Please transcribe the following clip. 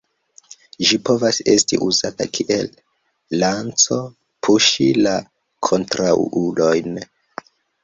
Ĝi povas esti uzata kiel lanco puŝi la kontraŭulon.